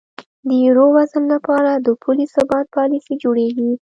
د یورو زون لپاره د پولي ثبات پالیسۍ جوړیږي.